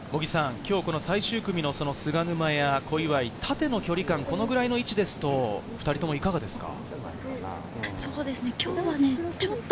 最終組の菅沼や小祝、縦の距離感、このぐらいの位置ですと２人ともいかがですか？